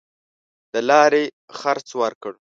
د لاري خرڅ ورکړ.